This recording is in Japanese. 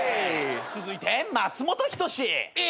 続いて松本人志。